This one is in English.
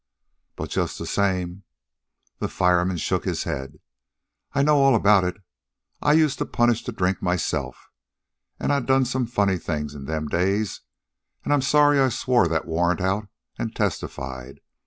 "But just the same " The fireman shook his head. "I know all about it. I used to punish the drink myself, and I done some funny things in them days. And I'm sorry I swore that warrant out and testified.